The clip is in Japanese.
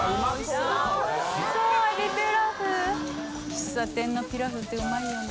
喫茶店のピラフってうまいよね。